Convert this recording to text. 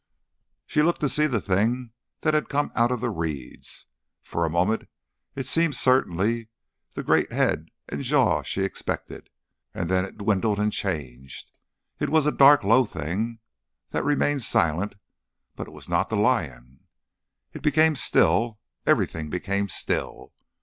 She looked to see the thing that had come out of the reeds. For a moment it seemed certainly the great head and jaw she expected, and then it dwindled and changed. It was a dark low thing, that remained silent, but it was not the lion. It became still everything became still.